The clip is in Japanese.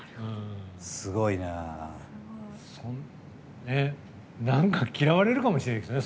なんか嫌われるかもしれないですね